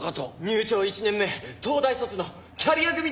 入庁１年目東大卒のキャリア組ですって。